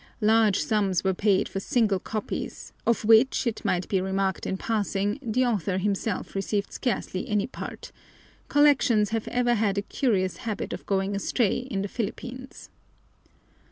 Large sums were paid for single copies, of which, it might be remarked in passing, the author himself received scarcely any part; collections have ever had a curious habit of going astray in the Philippines.